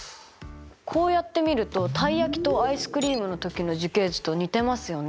こうやってみるとたい焼きとアイスクリームの時の樹形図と似てますよね。